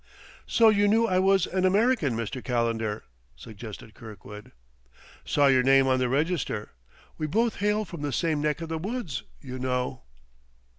"So you knew I was an American, Mr. Calendar?" suggested Kirkwood. "'Saw your name on the register; we both hail from the same neck of the woods, you know."